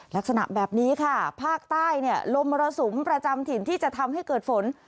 ลักษณะแบบนี้ค่ะภาคใต้เนี่ยลมมรสุมประจำถิ่นที่จะทำให้เกิดฝน